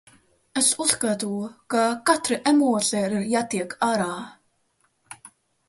Es uzskatu, ka katrai emocija ir jātiek ārā.